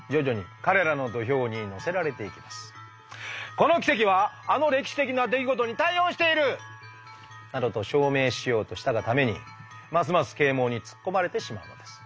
「この奇跡はあの歴史的な出来事に対応している！」などと証明しようとしたがためにますます啓蒙に突っ込まれてしまうのです。